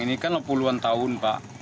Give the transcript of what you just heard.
ini kan puluhan tahun pak